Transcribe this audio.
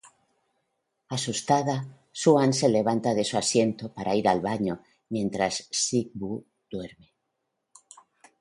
Asustada, Su-an se levanta de su asiento para ir al baño mientras Seok-woo duerme.